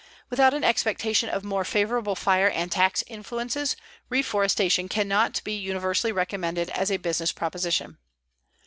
Without an expectation of more favorable fire and tax influences, reforestation cannot be universally recommended as a business proposition.